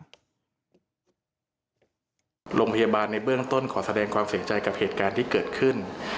โรงพยาบาลในเบื้องต้นขอแสดงความเสียใจกับเหตุการณ์ที่เกิดขึ้น